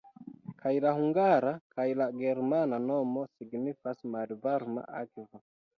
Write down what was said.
Kaj la hungara kaj la germana nomo signifas "malvarma akvo".